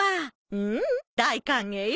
ううん大歓迎よ。